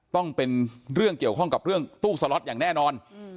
ต้องเป็นเรื่องเกี่ยวข้องกับเรื่องตู้สล็อตอย่างแน่นอน